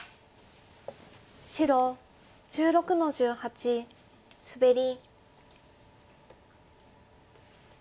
白１６の十八スベリ。